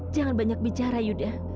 jangan banyak bicara yuda